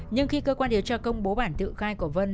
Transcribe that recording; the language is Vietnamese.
nhưng khi cơ quan điều tra công bố bản tự khai của vân